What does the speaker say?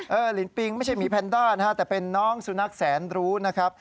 ลินปิงไม่ใช่หมีแพนด้านะฮะแต่เป็นน้องสุนัขแสนรู้นะครับ